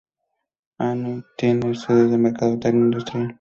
Anne tiene estudios de mercadotecnia industrial.